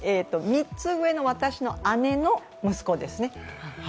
３つ上の私の姉の息子ですね。